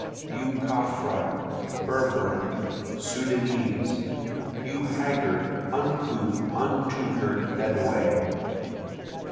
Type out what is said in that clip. You Caffre, Berber, Soudanese! You haggard, uncouth, untutor'd Bedowee!